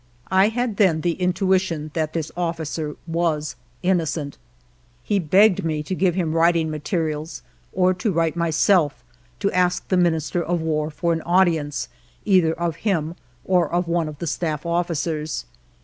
I had then the intuition that this officer was innocent. He begged me to give him writing mate rials, or to write myself, to ask the Minister of War for an audience, either of him or of one of the Staff officers.